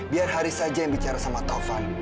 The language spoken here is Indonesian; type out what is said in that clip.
biar haris aja yang bicara sama taufan